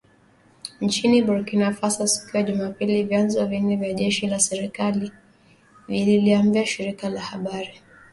nchini Burkina Faso siku ya Jumapili vyanzo vinne vya jeshi la serikali vililiambia shirika la habari